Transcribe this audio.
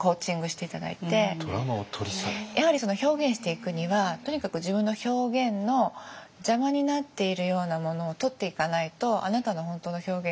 やはり表現していくにはとにかく自分の表現の邪魔になっているようなものを取っていかないとあなたの本当の表現ができないよね。